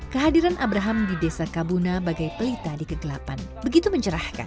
kehadiran abraham di desa kabuna bagai pelita di kegelapan begitu mencerahkan